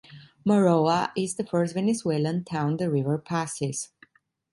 Maroa is the first Venezuelan town the river passes.